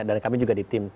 dan kami juga di tim